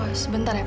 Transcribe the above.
oh sebentar ya pak